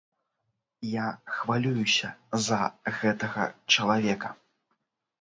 Я хвалююся за гэтага чалавека.